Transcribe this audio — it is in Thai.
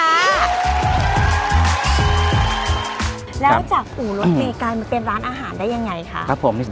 แล้วจากฝูรถอเมริกามันเป็นร้านอาหารได้ยังไงคะ